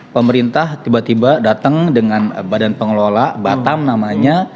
pemerintah tiba tiba datang dengan badan pengelola batam namanya